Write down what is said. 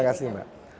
terima kasih mbak